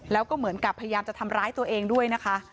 แล้วก็เหมือนกับพยายามจะทำร้ายตัวเองด้วยนะคะ